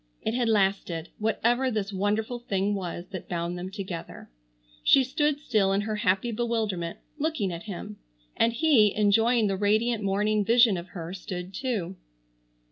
It had lasted, whatever this wonderful thing was that bound them together. She stood still in her happy bewilderment, looking at him, and he, enjoying the radiant morning vision of her, stood too.